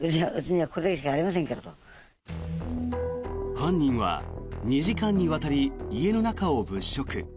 犯人は２時間にわたり家の中を物色。